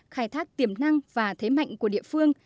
khai thác tiềm năng và thế mạnh của địa phương